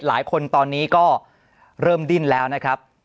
หลายคนตอนนี้ก็เริ่มดิ้นแล้วนะครับ